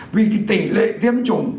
vì tỷ lệ tiêm chủng